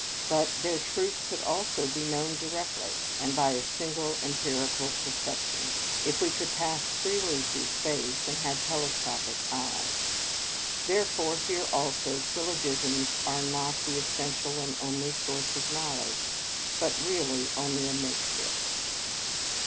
But their truth could also be known directly, and by a single empirical perception, if we could pass freely through space and had telescopic eyes. Therefore, here also syllogisms are not the essential and only source of knowledge, but really only a makeshift.